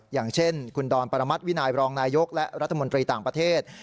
อย่างเช่นคุณดอนปรมัติวินัยรองนายกและรัฐมนตรีต่างประเทศ